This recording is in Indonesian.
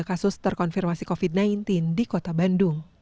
seribu empat puluh tiga kasus terkonfirmasi covid sembilan belas di kota bandung